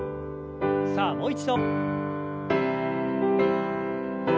さあもう一度。